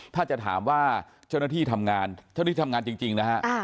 ถ้าจะถามว่าเจ้าหน้าที่ทำงานเจ้าหน้าที่ทำงานจริงนะฮะ